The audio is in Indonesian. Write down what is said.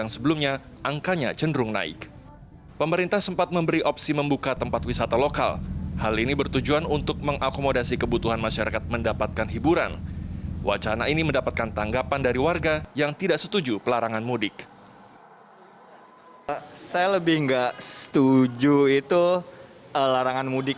saya lebih tidak setuju itu larangan mudik ya